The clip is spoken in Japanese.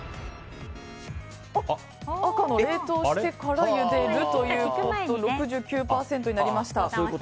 赤の冷凍してからゆでるが６９％になりました。